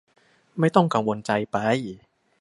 ไม่ต้องกังวลใจไป